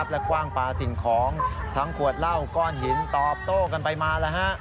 และคว่างปลาสิ่งของทั้งขวดเหล้าก้อนหินตอบโต้กันไปมา